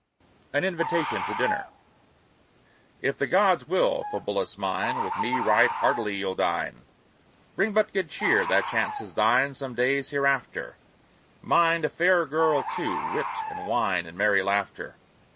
AN INVITATION TO DINNER If the gods will, Fabullus mine, With me right heartily you'll dine. Bring but good cheer that chance is thine Some days hereafter; Mind, a fair girl too, wit, and wine, And merry laughter.